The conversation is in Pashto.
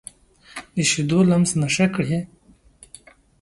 د شیدو لمس نشه کړي